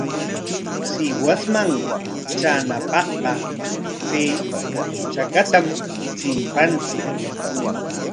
Sihuasman traanapaqqa chay chakatam chimpanchik.